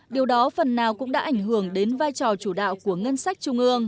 điều đó phần nào cũng đã ảnh hưởng đến vai trò chủ đạo của ngân sách trung ương